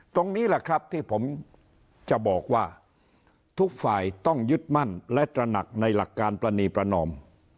ตรงนี้แหละครับที่ผมจะบอกว่าทุกฝ่ายต้องยึดมั่นและตระหนักในหลักการปรณีประนอม